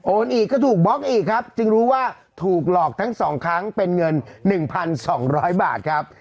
อีกก็ถูกบล็อกอีกครับจึงรู้ว่าถูกหลอกทั้ง๒ครั้งเป็นเงิน๑๒๐๐บาทครับ